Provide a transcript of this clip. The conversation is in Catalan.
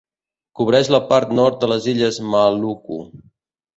Cobreix la part nord de les illes Maluku.